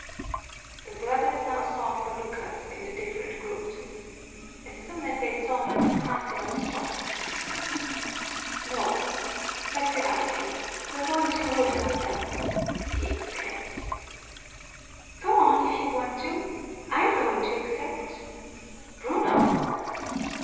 The brothers now sought for Lucas in the different groups. As soon as they saw him Tarsilo stopped. "No! Let's get out of here! We're going to ruin ourselves!" he exclaimed. "Go on if you want to! I'm going to accept!" "Bruno!"